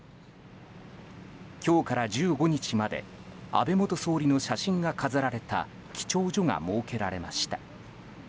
今日から１５日まで安倍元総理の写真が飾られた記帳所が設けられました。